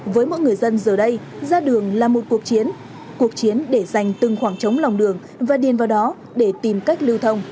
với mọi người dân giờ đây ra đường là một cuộc chiến cuộc chiến để dành từng khoảng trống lòng đường và điền vào đó để tìm cách lưu thông